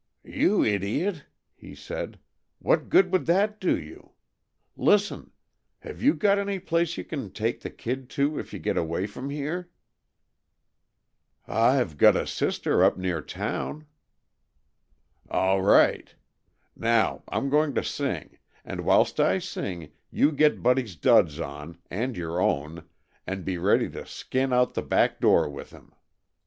"You idiot!" he said. "What good would that do you? Listen have you got any place you can take the kid to if you get away from here?" "I've got a sister up near town " "All right! Now, I'm going to sing, and whilst I sing you get Buddy's duds on, and your own, and be ready to skin out the back door with him.